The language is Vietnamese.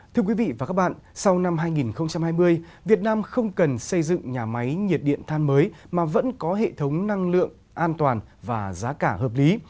thưa quý vị và các bạn sau năm hai nghìn hai mươi việt nam không cần xây dựng nhà máy nhiệt điện than mới mà vẫn có hệ thống năng lượng an toàn và giá cả hợp lý